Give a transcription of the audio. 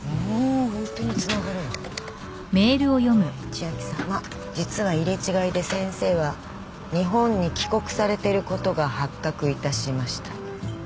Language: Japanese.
「千明さま」「実は入れ違いで先生は日本に帰国されていることが発覚いたしました」